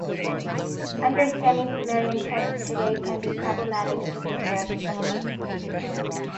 Understanding Sumerian texts today can be problematic even for experts.